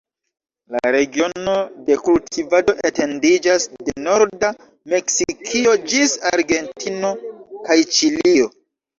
La regiono de kultivado etendiĝas de norda Meksikio ĝis Argentino kaj Ĉilio.